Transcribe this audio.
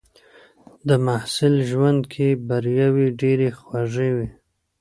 د محصل ژوند کې بریاوې ډېرې خوږې وي.